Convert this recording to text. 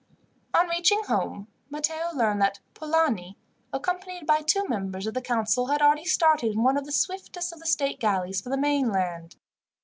On reaching home Matteo learned that Polani, accompanied by two members of the council, had already started in one of the swiftest of the state galleys for the mainland.